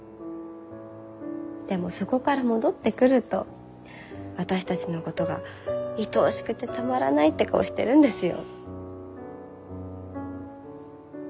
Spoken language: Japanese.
でもそこから戻ってくると私たちのことがいとおしくてたまらないって顔してるんですよ。